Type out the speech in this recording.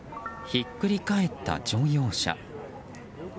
ひっくり返った乗用車。